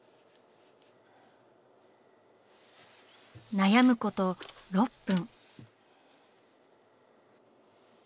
悩むこと６分。